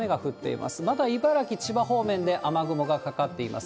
まだ茨城、千葉方面で雨雲がかかっています。